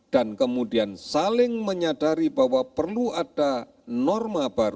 dan kemudian saling menyadari bahwa perlu ada